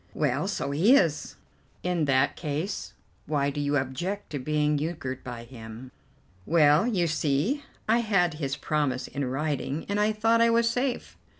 "Well, so he is." "In that case, why do you object to being euchred by him?" "Well, you see, I had his promise in writing, and I thought I was safe."